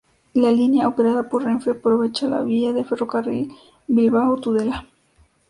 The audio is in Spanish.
La línea, operada por Renfe, aprovecha la vía del ferrocarril Bilbao-Tudela.